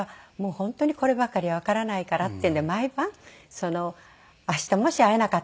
本当にこればかりはわからないからっていうんで毎晩明日もし会えなかったらっていう事でね